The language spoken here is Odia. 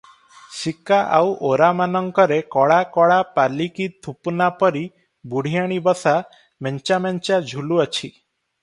ସିକା ଆଉ ଓରାମାନଙ୍କରେ କଳା କଳା ପାଲିକି ଥୁପନାପରି ବୁଢ଼ିଆଣୀ ବସା ମେଞ୍ଚା ମେଞ୍ଚା ଝୁଲୁଅଛି ।